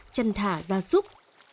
chân thả ra súc